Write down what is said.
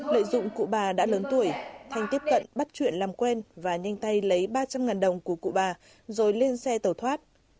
lợi dụng cụ bà đã lớn tuổi thanh tiếp cận bắt chuyện làm quen và nhanh tay lấy ba trăm linh đồng của cụ bà rồi lên xe tẩu thoát